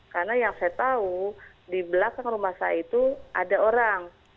karena yang saya tahu di belakang rumah saya itu ada orang